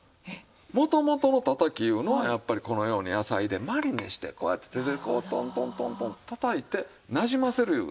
元々の「たたき」いうのはやっぱりこのように野菜でマリネしてこうやって手でこうトントントントンとたたいてなじませるいう。